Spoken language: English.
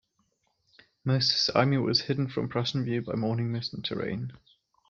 Most of his army was hidden from Prussian view by morning mist and terrain.